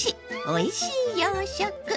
おいしい洋食！」。